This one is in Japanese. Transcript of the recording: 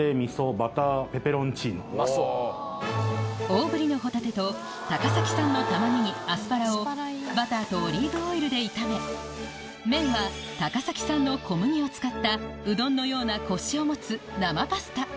大ぶりのホタテと高崎産の玉ねぎアスパラをバターとオリーブオイルで炒め麺は高崎産の小麦を使ったうどんのようなコシを持つ生パスタ